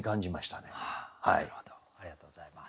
なるほどありがとうございます。